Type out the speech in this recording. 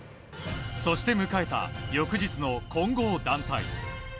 そして迎えた翌日の混合団体。